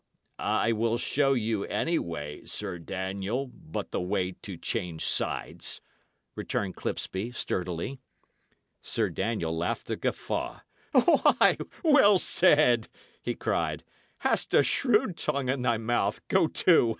"I will show you any way, Sir Daniel, but the way to change sides," returned Clipsby, sturdily. Sir Daniel laughed a guffaw. "Why, well said!" he cried. "Hast a shrewd tongue in thy mouth, go to!